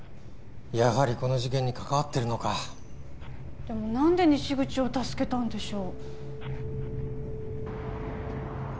やはりこの事件に関わってるのかでも何で西口を助けたんでしょう？